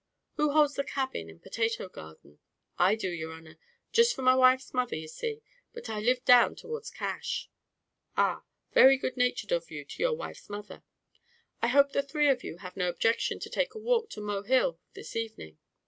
"Who holds the cabin and potato garden?" "I do, your honer, jist for my wife's mother, ye see; but I live down towards Cash." "Ah, very good natured of you to your wife's mother. I hope the three of you have no objection to take a walk to Mohill this evening."